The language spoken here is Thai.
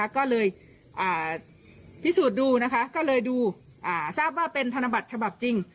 ก็เลยพิสูจน์ดูทราบว่าเป็นธนบัตรฉบับจริง